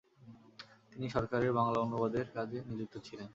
তিনি সরকারের বাংলা অনুবাদকের কাজে নিযুক্ত ছিলেন।